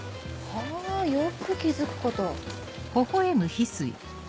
はぁよく気付くこと。